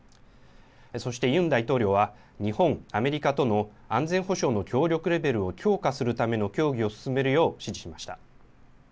そしてユン大統領は日本、アメリカとの安全保障の協力レベルを強化するための協議を進めるよう指示しました。